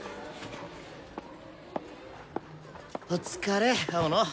お疲れ青野！